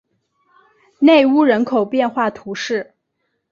内乌人口变化图示